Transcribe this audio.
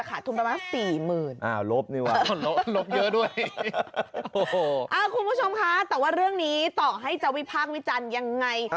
คุณผู้ชมคะแต่ว่าเรื่องนี้ต่อให้จะวิพากษ์วิจารณ์ยังไง